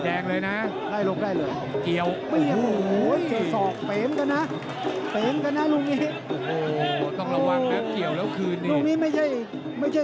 ขึ้นข้างที่หนึ่งข้างที่สองข้างที่สามนี่ไล่หลบได้เลย